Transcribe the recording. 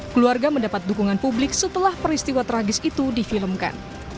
keluarga mendapat dukungan publik setelah peristiwa tragis itu difilmkan